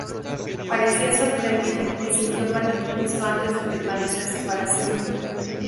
Parecía sorprendido, y sintió pánico justo antes de desvanecerse para siempre.